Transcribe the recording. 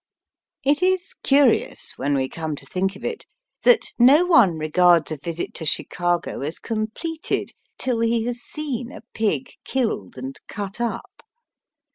It is curious, when we come to think of it, that no one regards a visit to Chicago as completed till he has seen a pig killed and cut up.